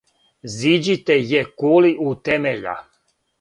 Зиђите је кули у темеља: